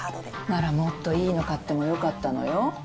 ならもっといいの買っても良かったのよ。